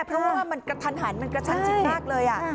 เพราะว่ามันกระทันหันมันกระชั้นชิดมากเลย